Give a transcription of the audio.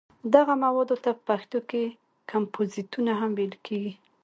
دغه موادو ته په پښتو کې کمپوزیتونه هم ویل کېږي.